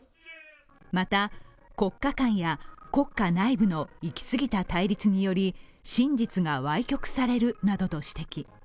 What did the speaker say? また国家間や国家内部の行き過ぎた対立により真実がわい曲されるなどと指摘。